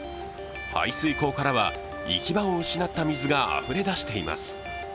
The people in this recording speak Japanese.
排水溝からは行き場を失った水があふれ出しています。